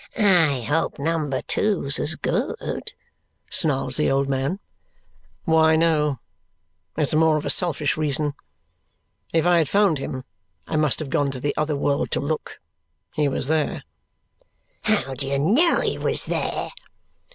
"I hope number two's as good?" snarls the old man. "Why, no. It's more of a selfish reason. If I had found him, I must have gone to the other world to look. He was there." "How do you know he was there?"